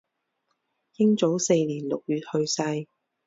英祖四年六月去世。